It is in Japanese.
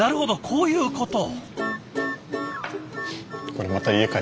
こういうこと。